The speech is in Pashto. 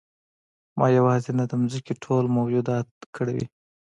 ما یوازې نه د ځمکې ټول موجودات کړوي.